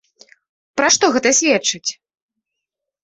Пра што гэта сведчыць?